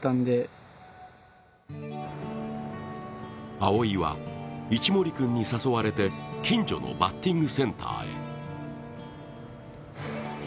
蒼生は、一森君に誘われて近所のバッティングセンターへ。